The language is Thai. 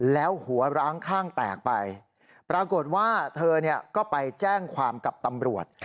แล้วหัวร้างข้างแตกไปปรากฏว่าเธอก็ไปแจ้งความกับตำรวจ